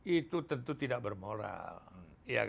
itu tentu tidak bermoral